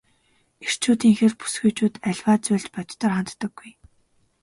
Эрчүүдийнхээр бүсгүйчүүд аливаа зүйлд бодитоор ханддаггүй.